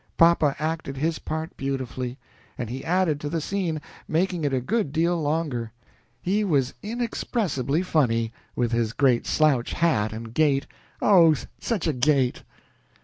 Papa acted his part beautifully, and he added to the scene, making it a good deal longer. He was inexpressibly funny, with his great slouch hat and gait oh, such a gait!"